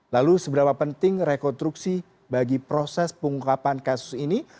lalu seberapa penting rekonstruksi bagi proses pengungkapan kasus ini